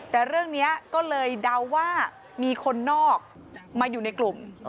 แต่เรื่องนี้ก็เลยเดาว่ามีคนนอกมาอยู่ในกลุ่ม